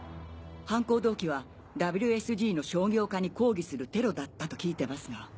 犯行動機はＷＳＧの商業化に抗議するテロだったと聞いてますが。